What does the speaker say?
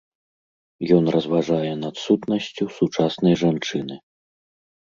Ён разважае над сутнасцю сучаснай жанчыны.